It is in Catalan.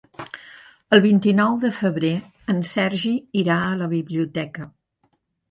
El vint-i-nou de febrer en Sergi irà a la biblioteca.